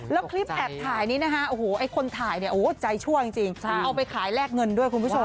แล้วคลิปแอบถ่ายนี้คนถ่ายใจชั่วยังจริงเอาไปขายแลกเงินด้วยคุณผู้ชม